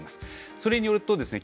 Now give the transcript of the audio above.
それによるとですね